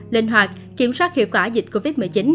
linh hoạt kiểm soát hiệu quả dịch covid một mươi chín